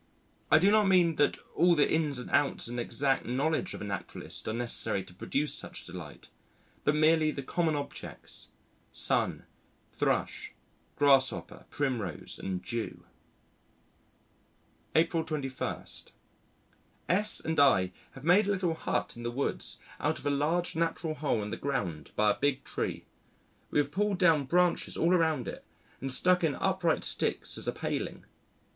I do not mean that all the ins and outs and exact knowledge of a naturalist are necessary to produce such delight, but merely the common objects Sun, Thrush, Grasshopper, Primrose, and Dew. April 21. S and I have made a little hut in the woods out of a large natural hole in the ground by a big tree. We have pulled down branches all around it and stuck in upright sticks as a paling.